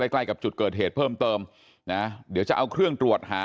ใกล้กับจุดเกิดเหตุเพิ่มเติมนะเดี๋ยวจะเอาเครื่องตรวจหา